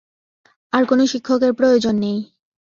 আর কোন শিক্ষকের প্রয়োজন নেই।